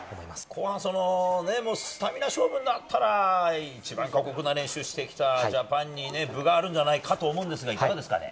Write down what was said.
後半、スタミナ勝負になったら、一番過酷な練習してきたジャパンにね、分があるんじゃないかと思うんですが、いかがですかね。